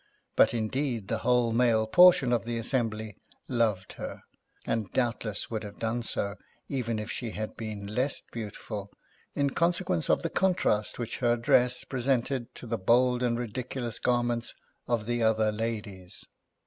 But, indeed the whole male portion of the assembly loved her — and doubtless would have done so, even if she had been less beautiful, in consequence of the contrast which her dress presented to the bold and ridiculous garments of the other ladies.